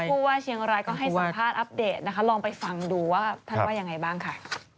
ผู้ว่าเชียงรายก็ให้สัมภาษณ์อัปเดตนะคะลองไปฟังดูว่าท่านว่ายังไงบ้างค่ะ